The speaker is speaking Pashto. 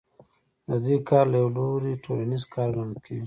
د دوی کار له یوه لوري ټولنیز کار ګڼل کېږي